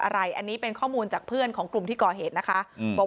อะไรอันนี้เป็นข้อมูลจากเพื่อนของกลุ่มที่ก่อเหตุนะคะบอก